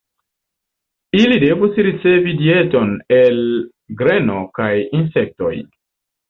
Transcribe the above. Ili devus ricevi dieton el greno kaj insektoj.